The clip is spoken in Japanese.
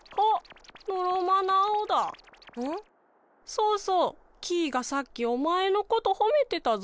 そうそう！キイがさっきおまえのことほめてたぞ。